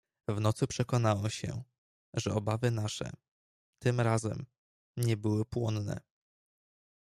"W nocy przekonałem się, że obawy nasze, tym razem, nie były płonne."